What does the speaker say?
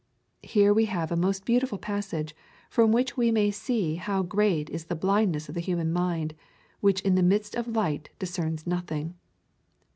Here we have a most beautiful passage, from which we may see how great is the blindness of the human mind, which in the midst of light discerns nothing.